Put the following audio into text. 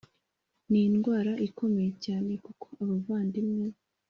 ni indwara ikomeye cyane, kuko abavandimwe